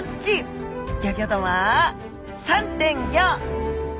ギョギョ度は３．５！